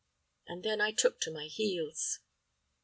and then I took to my heels."